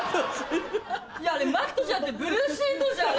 いやあれマットじゃなくてブルーシートじゃん。